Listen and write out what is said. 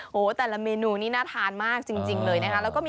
แต่ละเมนูนี่น่าทานมากจริงเลยนะคะ